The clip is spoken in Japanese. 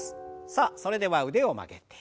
さあそれでは腕を曲げて。